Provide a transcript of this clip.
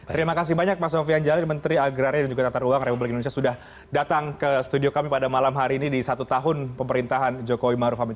terima kasih banyak mas sofian jalil menteri agraria dan juga tata ruang republik indonesia sudah datang ke studio kami pada malam hari ini di satu tahun pemerintahan jokowi maruf amin